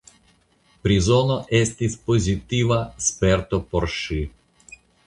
Prizono estis pozitiva sperto por ŝi.